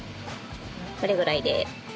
これぐらいで。